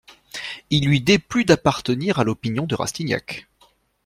Il lui déplut d'appartenir à l'opinion de Rastignac.